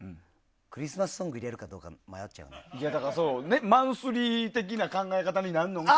クリスマスソングを入れるかどうかマンスリー的な考え方になるのか